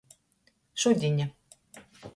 Šudine.